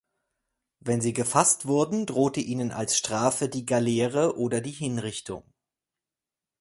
Wenn sie gefasst wurden, drohte ihnen als Strafe die Galeere oder die Hinrichtung.